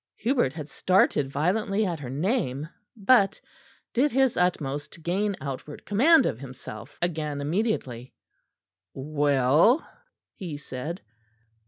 Hubert had started violently at her name; but did his utmost to gain outward command of himself again immediately. "Well?" he said.